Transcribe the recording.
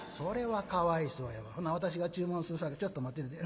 ほな私が注文するさかいちょっと待ってて。